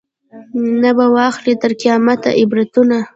نه به واخلي تر قیامته عبرتونه